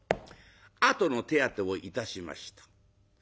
あとの手当てをいたしました。